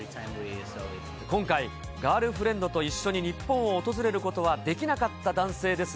今回、ガールフレンドと一緒に日本を訪れることはできなかった男性です